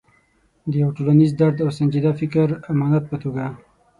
د یو ټولنیز درد او سنجیده فکري امانت په توګه.